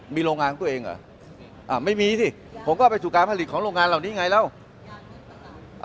มีโรงงานของตัวเองเหรออ่าไม่มีสิผมก็ไปสู่การผลิตของโรงงานเหล่านี้ไงแล้ว